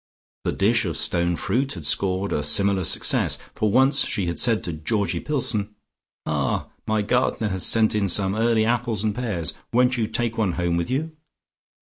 The dish of stone fruit had scored a similar success, for once she had said to Georgie Pillson, "Ah, my gardener has sent in some early apples and pears, won't you take one home with you?"